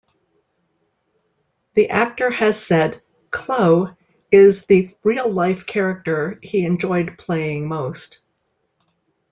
The actor has said Clough is the real-life character he enjoyed playing most.